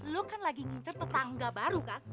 lu kan lagi ngincer ke tangga baru kan